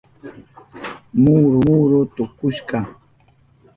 Muru muru tukushka.